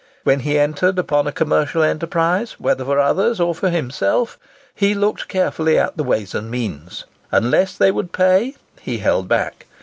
When he entered upon a commercial enterprise, whether for others or for himself, he looked carefully at the ways and means. Unless they would "pay," he held back.